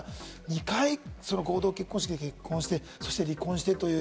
２回、合同結婚式で結婚して、離婚してという。